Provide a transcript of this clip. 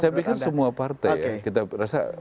saya pikir semua partai ya kita rasa